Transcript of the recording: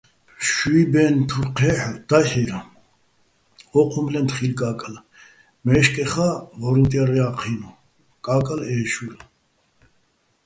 შუჲ ბე́ნ თურ დაჰ̦ირ ო́ჴუმფლეჼ თხილ, კაკალ მე́შკეხა́ ღრუტ ჲარ ჲა́ჴინო̆, კა́კალა́ ე́შურ.